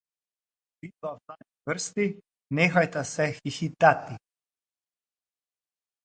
Vidva v zadnji vrsti, nehajta se hihitati!